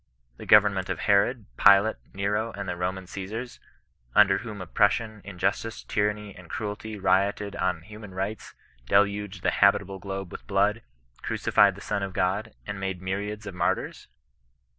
The govern ment of Herod, Pilate, Nero, and the Roman Osesars, under whom oppression, injustice, tyranny, and cruelty rioted on human rights, deluged the habitable globe with blood, crucified the Son of God, and made myriads of martyrs